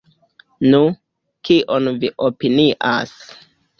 Nu, kion vi opinias?